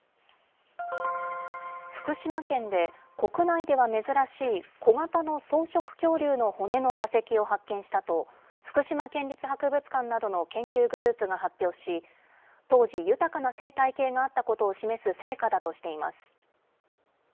福島県で、国内では珍しい小型の草食恐竜の骨の化石を発見したと、福島県立博物館などの研究グループが発表し、当時、豊かな生態系があったことを示す成果だとしています。